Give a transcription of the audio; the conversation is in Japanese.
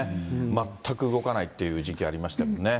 全く動かないっていう時期ありましたけどね。